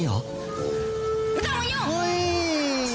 ไม่ต้องมายก